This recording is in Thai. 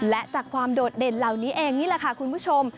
และจากความโดดเด่นเหล่านี้เองนี่แหละค่ะคุณผู้ชม